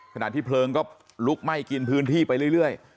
ขณะที่เพลิงก็ลุกไหม้กินพื้นที่ไปเรื่อย